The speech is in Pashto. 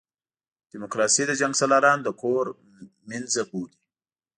ډیموکراسي د جنګسالارانو د کور مېنځه بولي.